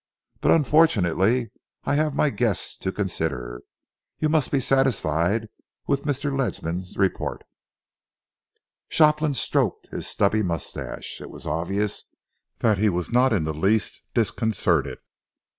But unfortunately I have my guests to consider! You must be satisfied with Mr. Ledsam's report." Shopland stroked his stubbly moustache. It was obvious that he was not in the least disconcerted.